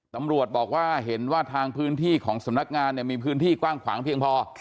ตำรวจบอกว่าเห็นว่าทางพื้นที่ของสำนักงานเนี่ยมีพื้นที่กว้างขวางเพียงพอ